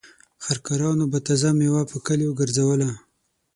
خر کارانو به تازه مېوه په کليو ګرځوله.